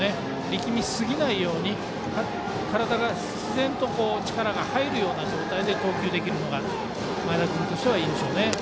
力みすぎないように体が自然と力が入るような状態で投球できるのが前田君としてはいいでしょうね。